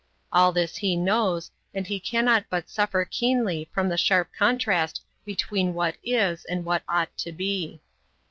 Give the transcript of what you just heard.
All this he knows, and he cannot but suffer keenly from the sharp contrast between what is and what ought to be.